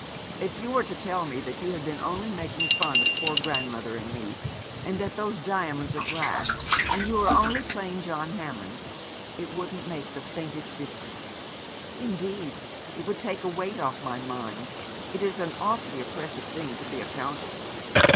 If you were to tell me that you had been only making fun of poor grandmother and me, and that those diamonds are glass, and you only plain John Hammond, it wouldn't make the faintest difference. Indeed, it would be a weight off my mind. It is an awfully oppressive thing to be a Countess.'